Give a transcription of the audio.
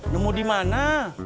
nemu di mana